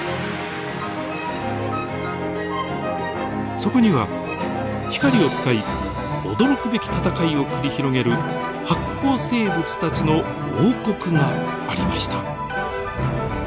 そこには光を使い驚くべき戦いを繰り広げる発光生物たちの王国がありました。